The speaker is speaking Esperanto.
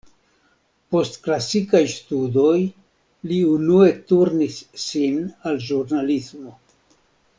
Post klasikaj studoj, li unue turnis sin al ĵurnalismo.